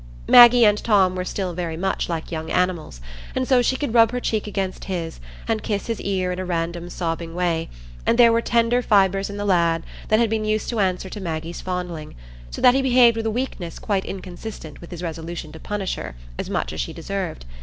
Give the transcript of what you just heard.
Maggie and Tom were still very much like young animals, and so she could rub her cheek against his, and kiss his ear in a random sobbing way; and there were tender fibres in the lad that had been used to answer to Maggie's fondling, so that he behaved with a weakness quite inconsistent with his resolution to punish her as much as she deserved.